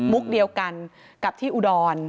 เดียวกันกับที่อุดร